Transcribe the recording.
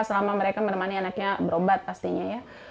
selama mereka menemani anaknya berobat pastinya ya